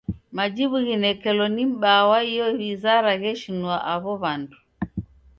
Majibu ghinekelo ni m'baa wa iyo wizara gheshinua aw'o w'andu.